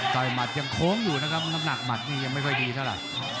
ยหมัดยังโค้งอยู่นะครับน้ำหนักหมัดนี่ยังไม่ค่อยดีเท่าไหร่